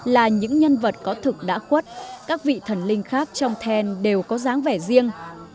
là những nhân vật có thực đã khuất các vị thần linh khác trong then đều có dáng vẻ riêng